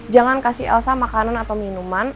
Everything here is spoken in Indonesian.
jangan kasih elsa makanan atau minuman